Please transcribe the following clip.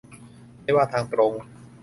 ไม่ว่าทางตรง